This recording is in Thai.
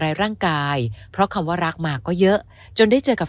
ร่างกายเพราะคำว่ารักมาก็เยอะจนได้เจอกับ